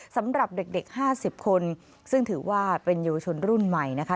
สำหรับเด็ก๕๐คนซึ่งถือว่าเป็นเยาวชนรุ่นใหม่นะคะ